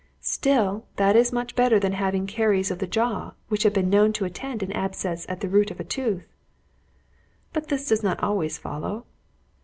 "Still, that is much better than having caries of the jaw, which has been known to attend an abscess at the root of a tooth." "But this does not always follow?"